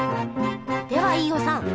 では飯尾さん